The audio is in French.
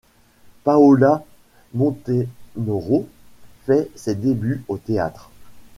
Paola Montenero fait ses débuts au théâtre.